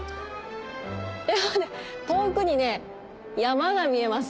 遠くに山が見えます。